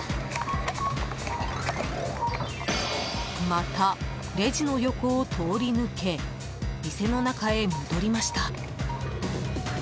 またレジの横を通り抜け店の中へ戻りました。